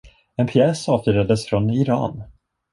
En pjäs avfyrades från Iran.